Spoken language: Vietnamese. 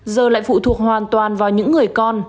giờ lại phụ thuộc hoàn toàn vào những người con